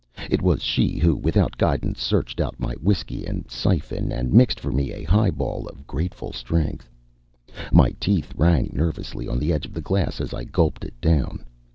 It was she who, without guidance, searched out my whisky and siphon and mixed for me a highball of grateful strength. My teeth rang nervously on the edge of the glass as I gulped it down.